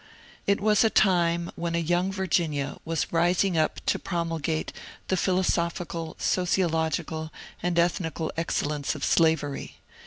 It was a time when a ^^ Young Virginia " was rising up to promulgate the philosophical, sociological, and ethnical excel lence of slavery.